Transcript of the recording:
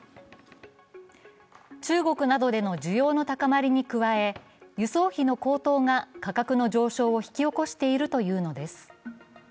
中国などでの需要の高まりに加え輸送費の高騰が価格の上昇を引き起こしているというのです。